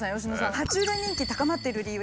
は虫類人気高まっている理由